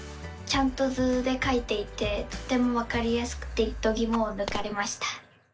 ちゃんと図でかいていてとてもわかりやすくてどぎもをぬかれました！